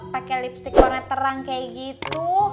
pakai lipstick warna terang kayak gitu